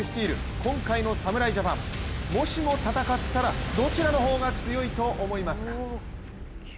今回の侍ジャパン、もしも戦ったら、どちらの方が強いと思いますか？